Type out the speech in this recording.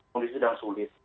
kondisi sedang sulit